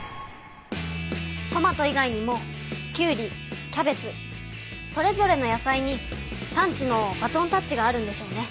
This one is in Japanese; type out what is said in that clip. トマト以外にもキュウリキャベツそれぞれの野菜に産地のバトンタッチがあるんでしょうね。